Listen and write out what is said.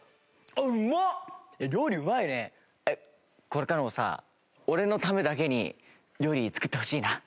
これからもさ俺のためだけに料理作ってほしいな。